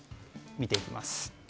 見ていきます。